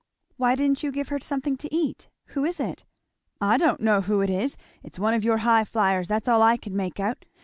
"Why didn't you give her something to eat? Who is it?" "I don't know who it is! It's one of your highfliers, that's all I can make out.